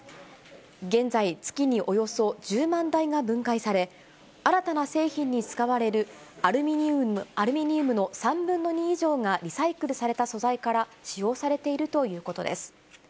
現在、月におよそ１０万台が分解され、新たな製品に使われるアルミニウムの３分の２以上がリサイクルされた素材から使用されているということです。